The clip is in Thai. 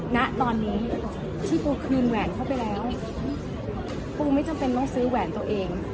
ณตอนนี้ที่ปูคืนแหวนเข้าไปแล้วกูไม่จำเป็นต้องซื้อแหวนตัวเอง